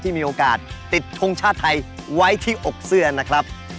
มีโอกาสติดทงชาติไทยไว้ที่อกเสื้อนะครับ